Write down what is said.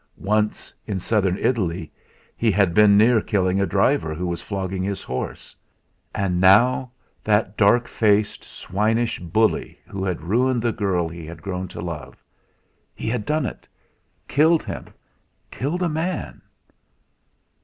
Once in Southern Italy he had been near killing a driver who was flogging his horse. And now, that dark faced, swinish bully who had ruined the girl he had grown to love he had done it! Killed him! Killed a man!